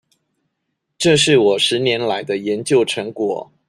這是我十年來的研究成果